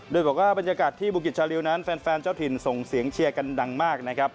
โดยบอกว่าบรรยากาศที่บุกิจชาลิวนั้นแฟนเจ้าถิ่นส่งเสียงเชียร์กันดังมากนะครับ